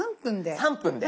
３分で。